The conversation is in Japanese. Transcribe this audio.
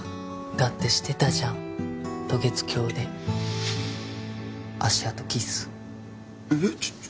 だってしてたじゃん渡月橋で芦屋とキスえっちょちょちょ